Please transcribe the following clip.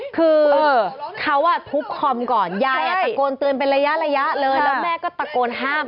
คือเขาทุบคอมก่อนยายตะโกนเตือนเป็นระยะเลยแล้วแม่ก็ตะโกนห้าม